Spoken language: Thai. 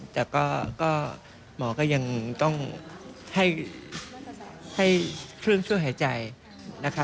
แต่ก็หมอก็ยังต้องให้เครื่องช่วยหายใจนะคะ